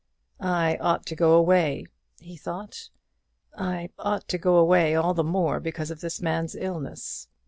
"I ought to go away," he thought; "I ought to go away all the more because of this man's illness.